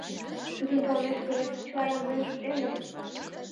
Тудын толмешкыже, чыла ямдылен шуктем гын?